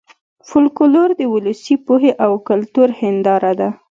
فولکلور د ولسي پوهې او کلتور هېنداره ده